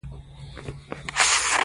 ښتې د افغانستان د ملي هویت نښه ده.